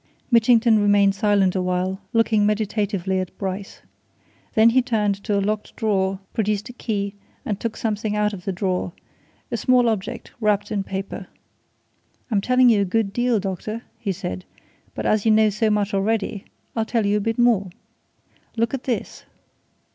Mitchington remained silent awhile, looking meditatively at Bryce. Then he turned to a locked drawer, produced a key, and took something out of the drawer a small object, wrapped in paper. "I'm telling you a good deal, doctor," he said. "But as you know so much already, I'll tell you a bit more. Look at this!"